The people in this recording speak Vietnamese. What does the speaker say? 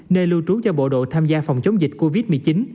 nơi lưu trú cho bộ đội tham gia phòng chống dịch covid một mươi chín